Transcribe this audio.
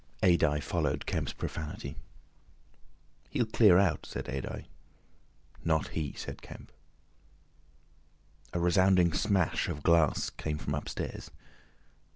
Adye followed Kemp's profanity. "He'll clear out," said Adye. "Not he," said Kemp. A resounding smash of glass came from upstairs.